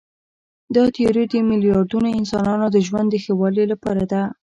دا تیوري د میلیاردونو انسانانو د ژوند د ښه والي لپاره ده.